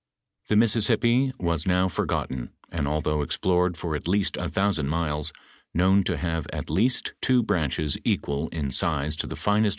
The Mississippi was now forgotten, and although explored for at least a thousand miles, known to have at least two • See Entayo Chronologieo, p.